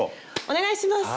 お願いします！